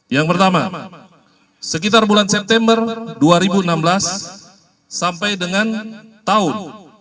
yang pertama sekitar bulan september dua ribu enam belas sampai dengan tahun